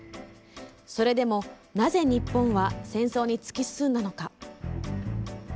それでも、なぜ日本は戦争に突き進んだのか。